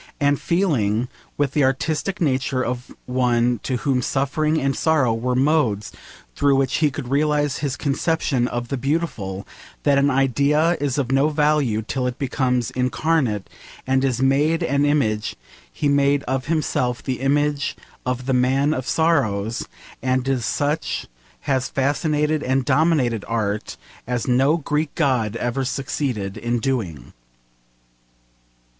And feeling, with the artistic nature of one to whom suffering and sorrow were modes through which he could realise his conception of the beautiful, that an idea is of no value till it becomes incarnate and is made an image, he made of himself the image of the Man of Sorrows, and as such has fascinated and dominated art as no Greek god ever succeeded in doing.